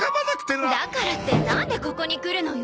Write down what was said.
だからってなんでここに来るのよ。